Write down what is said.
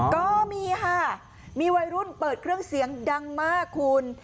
ก็มีค่ะมีวัยรุ่นเปิดเครื่องเสียงดังมากคุณ